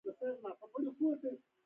هغوی د ستونزو ریښه پرې نه کړه.